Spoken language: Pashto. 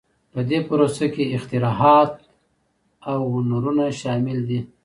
په دې پروسه کې اختراعات او هنرونه شامل دي.